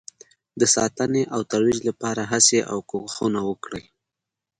د ساتنې او ترویج لپاره هڅې او کوښښونه وکړئ